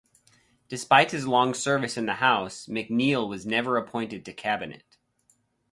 Despite his long service in the house, McNeil was never appointed to cabinet.